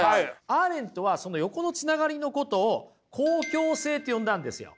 アーレントはその横のつながりのことを公共性と呼んだんですよ。